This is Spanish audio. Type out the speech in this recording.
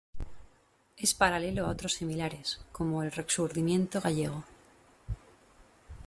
Es paralelo a otros similares, como el Rexurdimento gallego.